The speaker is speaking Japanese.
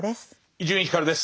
伊集院光です。